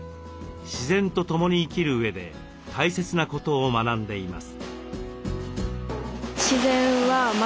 自然と共に生きるうえで大切なことを学んでいます。